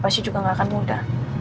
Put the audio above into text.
pasti juga nggak akan mudah